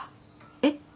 えっ？